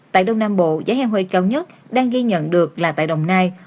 tại đông nam bộ giá heo hơi cao nhất đang ghi nhận được là tại đồng nai